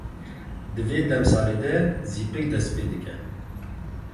Di vê demsalê de zîpik dest pê dike.